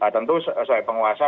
tentu sebagai penguasa